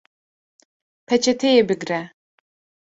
Peçeteyê bigre